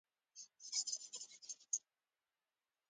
له تازه ګوبرو ګاز جوړولای شو